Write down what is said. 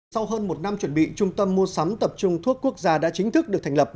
sau hơn một năm chuẩn bị trung tâm mua sắm tập trung thuốc quốc gia đã chính thức được thành lập